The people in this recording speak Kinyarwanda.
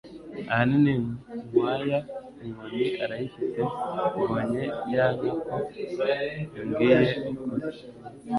Ahanini Nkwaya inkoni arayifite Mbonye ya nka ko imbwiye ukuri,